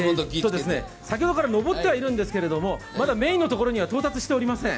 先ほどから上ってはいますんですがまだメインのところには到着していません。